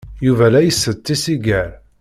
Yuba la isett tisigar.